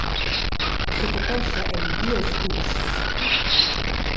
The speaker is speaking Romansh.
Secapescha en duas vuschs.